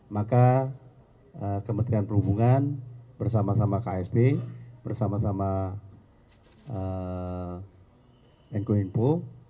maka kementerian perhubungan bersama sama ksp bersama sama menko info